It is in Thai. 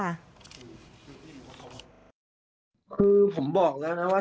คือผมบอกแล้วนะว่า